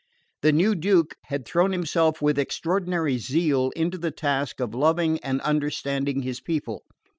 The new Duke had thrown himself with extraordinary zeal into the task of loving and understanding his people.